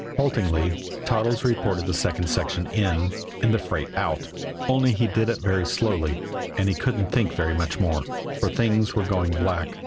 Haltingly, Toddles reported the second section "in" and the freight "out" only he did it very slowly, and he couldn't think very much more, for things were going black.